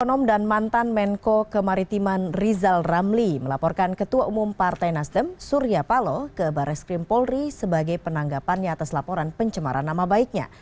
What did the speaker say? ketua umum dan mantan menko kemaritiman rizal ramli melaporkan ketua umum partai nasdem surya paloh ke baris krim polri sebagai penanggapannya atas laporan pencemaran nama baiknya